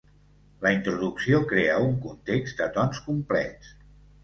La introducció crea un context de tons complets.